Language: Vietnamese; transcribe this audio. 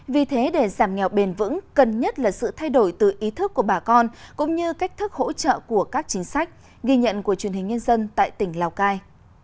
vì thế để giảm nghèo bền vững cần nhất là sự thay đổi từ ý thức của bà con cũng như cách thức hỗ trợ của các chính sách ghi nhận của truyền hình nhân dân tại tỉnh lào cai